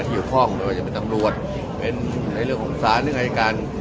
โดยจะเป็นตำรวจเป็นในเรื่องของศาลเรื่องไฮการ